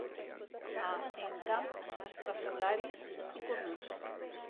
A Encamp, estrafolaris i cornuts.